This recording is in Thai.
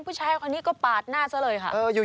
ผู้ชายคนนี้ก็ปาดหน้าซะเลยค่ะ